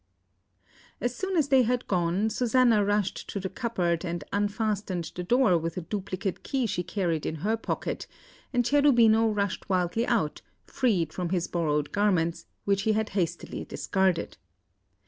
As soon as they had gone, Susanna rushed to the cupboard and unfastened the door with a duplicate key she carried in her pocket, and Cherubino rushed wildly out, freed of his borrowed garments, which he had hastily discarded.